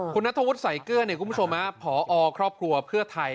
คุณณธวดใส่เกื้อนกุมโชมฮะผอครอบครัวเพื่อไทย